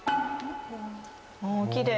おおきれい。